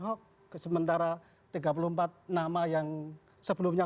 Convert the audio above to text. hoax sementara tiga puluh empat nama yang sebelumnya